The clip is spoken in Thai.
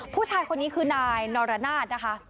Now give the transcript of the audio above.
ผู้ชายคนนี้คือนายนรนาศนะคะ